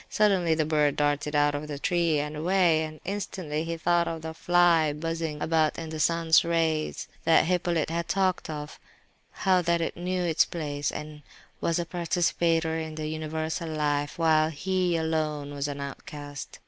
Suddenly the bird darted out of the tree and away, and instantly he thought of the "fly buzzing about in the sun's rays" that Hippolyte had talked of; how that it knew its place and was a participator in the universal life, while he alone was an "outcast."